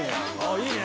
いいね！